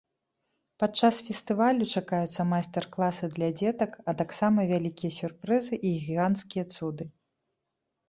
Падчас фестывалю чакаюцца майстар-класы для дзетак, а таксама вялікія сюрпрызы і гіганцкія цуды.